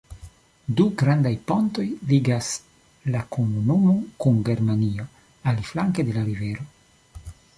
Du grandaj pontoj ligas la komunumon kun Germanio aliflanke de la rivero.